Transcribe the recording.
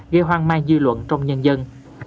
gây hoang mai dư luận trong nhân dân